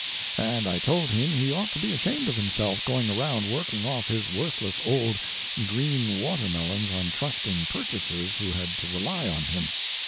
And I told him he ought to be ashamed of himself going around working off his worthless, old, green watermelons on trusting purchasers who had to rely on him.